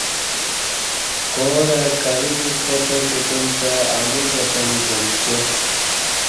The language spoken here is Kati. کارہ کویک پاتں کوتوم کہ امو پاتں دی پمݜٹیا